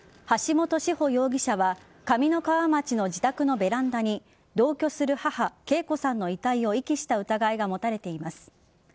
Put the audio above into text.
橋本志穂容疑者は上三川町の自宅のベランダに同居する母・啓子さんの遺体を遺棄した疑いが持たれています。